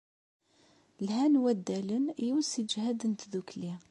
Lhan waddalen i usiǧhed n tdukli